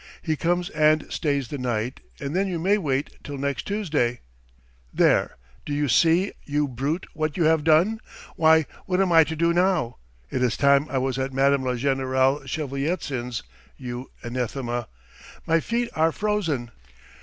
He comes and stays the night, and then you may wait till next Tuesday. ..." "There, do you see, you brute, what you have done? Why, what am I to do now? It is time I was at Madame la Générale Shevelitsyn's, you anathema! My feet are frozen!"